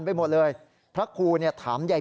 สายลูกไว้อย่าใส่